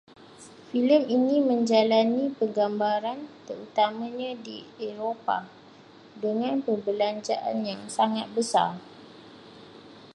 Filem ini menjalani penggambaran terutamanya di Eropah, dengan perbelanjaan yang sangat besar